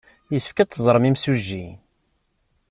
Yessefk ad teẓrem imsujji.